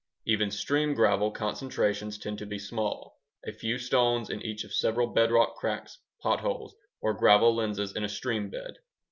Even stream gravel concentrations tend to be smallŌĆöa few stones in each of several bedrock cracks, potholes, or gravel lenses in a stream bed.